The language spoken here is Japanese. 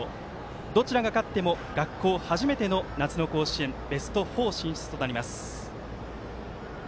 どちらが勝っても、学校初めての夏の甲子園ベスト４進出となります。